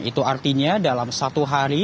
itu artinya dalam satu hari